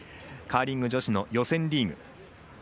カーリング女子の予選リーグ。